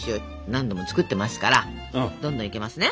何度も作ってますからどんどんいけますね。